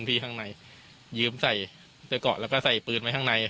พี่ข้างในยืมใส่เสื้อเกาะแล้วก็ใส่ปืนไว้ข้างใน